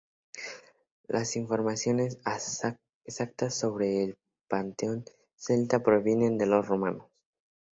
Las informaciones exactas sobre el panteón celta provienen de los romanos.